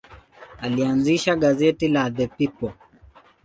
Alianzisha gazeti la The People.